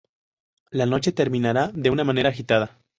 La noche terminará de una manera agitada.